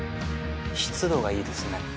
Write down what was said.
湿度がいいですね。